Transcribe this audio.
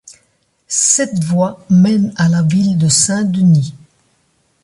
Cette voie mène à la ville de Saint-Denis.